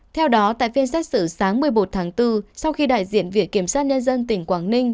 theo đó tại phiên xét xử sáng một mươi một tháng bốn sau khi đại diện viện kiểm sát nhân dân tỉnh quảng ninh